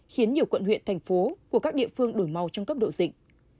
khiến nhiều quận huyện thành phố của các địa phương đổi màu trong cấp độ dịch